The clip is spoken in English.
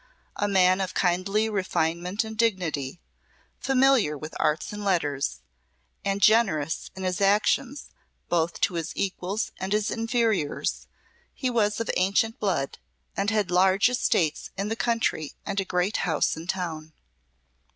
A man of kindly refinement and dignity, familiar with arts and letters, and generous in his actions both to his equals and his inferiors, he was of ancient blood, and had large estates in the country and a great house in town.